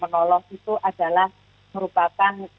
menolong itu adalah merupakan